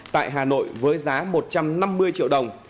tại hà nội với giá một trăm năm mươi triệu đồng